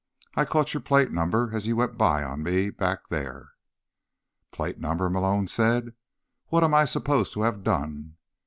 "I caught your plate number as you went on by me, back there." "Plate number?" Malone said. "What am I supposed to have done?"